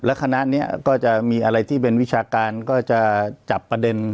คณะนี้ก็จะมีอะไรที่เป็นวิชาการก็จะจับประเด็น